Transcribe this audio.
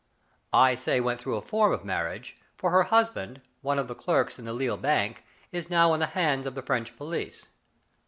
I say went through a form of marriage, for her hus band, one of the clerks in the Lille bank, is now in the hands of the French police.